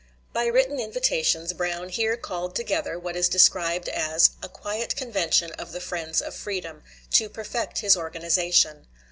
By written invitations, Brown here called together what is described as "a quiet convention of the friends of freedom," to perfect his organization.